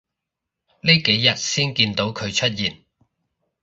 呢幾日先見到佢出現